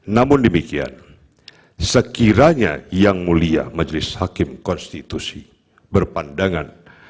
namun demikian sekiranya yang mulia majelis hakim konstitusi berpandangan